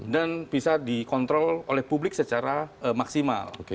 dan bisa dikontrol oleh publik secara maksimal